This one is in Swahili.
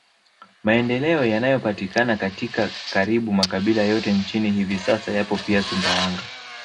Maendeleo yanayopatikana katika karibu makabila yote nchini hivi sasa yapo pia Sumbawanga